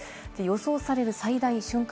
予想される最大瞬間